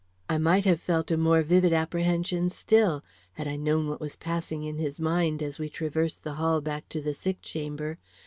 I might have felt a more vivid apprehension still, had I known what was passing in his mind as we traversed the hall back to the sick chamber.